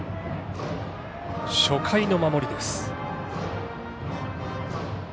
初回の守りです。